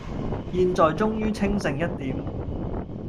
現在終於清醒一點